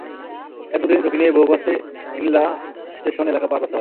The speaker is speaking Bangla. তাই প্রতিদিন ঝুঁকি নিয়েই বহু কষ্টে হ্নীলা স্টেশন এলাকা পার হতে হয়।